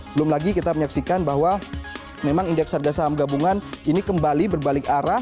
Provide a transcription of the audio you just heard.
belum lagi kita menyaksikan bahwa memang indeks harga saham gabungan ini kembali berbalik arah